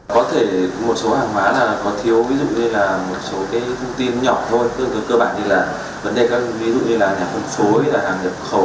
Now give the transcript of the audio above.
có thể một số hàng hóa có thiếu ví dụ như là một số thông tin nhỏ thôi